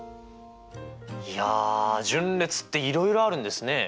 いや順列っていろいろあるんですね。